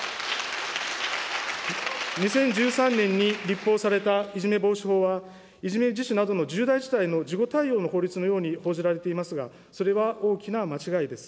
２０１３年に立法された、いじめ防止法は、いじめ自死などの重大事態の事後対応の法律のように報じられていますが、それは大きな間違いです。